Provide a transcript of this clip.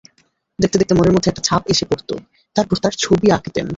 দেখতে দেখতে মনের মধ্যে একটা ছাপ এসে পড়ত, তারপর তাঁর ছবি আঁকতেন।